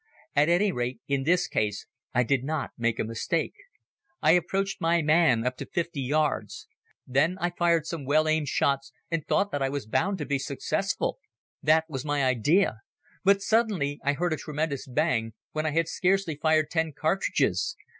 At any rate in this case I did not make a mistake. I approached my man up to fifty yards. Then I fired some well aimed shots and thought that I was bound to be successful. That was my idea. But suddenly I heard a tremendous bang, when I had scarcely fired ten cartridges.